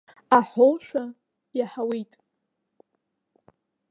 Аҳәошәа иаҳауеит.